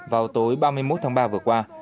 vào tối ba mươi một tháng ba vừa qua